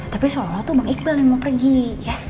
tapi seolah olah tuh bang iqbal yang mau pergi ya